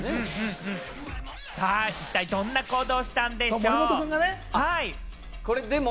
一体どんな行動をしたんでしょうね？